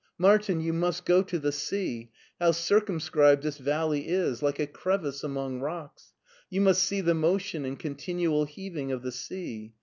— Martin, you must go to the sea ! How circumscribed this valley is I Like a crevice among rocks. You must see the motion and continual heaving of the sea.